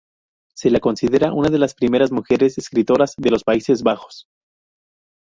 Se la considera una de las primeras mujeres escritoras de los Países Bajos.